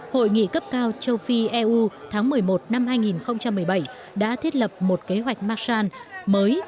hội nghị cấp cao châu phi eu tháng một mươi một năm hai nghìn một mươi bảy đã thiết lập một kế hoạch masan mới